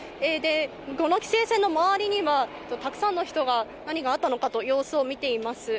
その規制線の周りにはたくさんの人が何があったのかと様子を見ています。